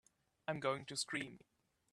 I'm going to scream!